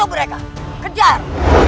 itu mereka kejar